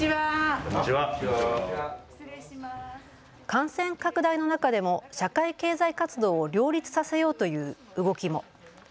感染拡大の中でも社会経済活動を両立させようという動きも。